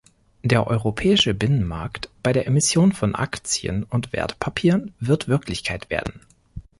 Der Europäische Binnenmarkt bei der Emission von Aktien und Wertpapieren wird Wirklichkeit werden.